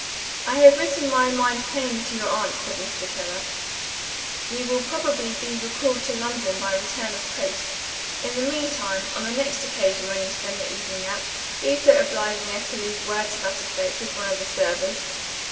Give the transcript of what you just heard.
"I have written my mind plainly to your aunt," said Mr. Keller; "you will probably be recalled to London by return of post. In the meantime, on the next occasion when you spend the evening out, be so obliging as to leave word to that effect with one of the servants."